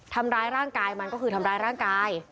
ทำร้ายร่างกายมันก็คือทำร้ายร่างกาย